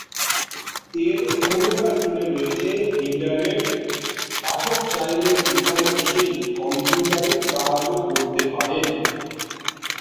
এর পুরোটা জুড়ে রয়েছে ইন্টারনেট, পাঠক চাইলে এখানে বসেই কম্পিউটারে কাজও করতে পারেন।